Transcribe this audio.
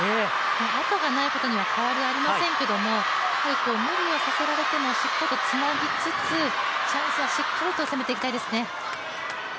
あとがないことは変わりありませんけど無理をさせられてもしつこくつなぎつつ、チャンスはしっかり攻めていきたいですね。